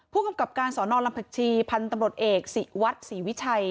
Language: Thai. ผู้กำกับการสอนอลำผักชีพันธุ์ตำรวจเอกศิวัฒน์ศรีวิชัย